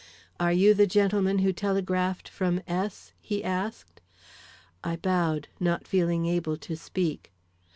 "Are you the gentleman who telegraphed from S ?" he asked. I bowed, not feeling able to speak.